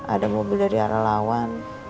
ada mobil dari arah lawan